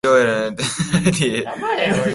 要領を得ない説明にいらだちを募らせている